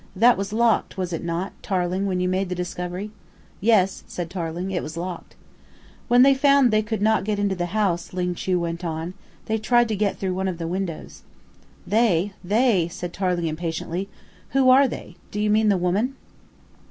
That was locked, was it not, Tarling, when you made the discovery?" "Yes," said Tarling, "it was locked." "When they found they could not get into the house," Ling Chu went on, "they tried to get through one of the windows." "They, they?" said Tarling impatiently. "Who are they? Do you mean the woman?"